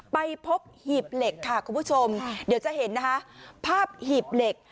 ไปพบหีบเหล็กค่ะคุณผู้ชมเดี๋ยวจะเห็นนะคะภาพหีบเหล็ก